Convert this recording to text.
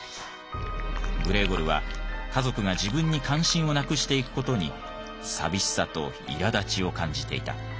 グレーゴルは家族が自分に関心をなくしていく事に寂しさといらだちを感じていた。